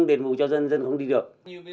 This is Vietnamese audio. đền bù cho dân dân không đi được